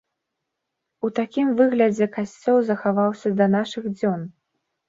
У такім выглядзе касцёл захаваўся да нашых дзён.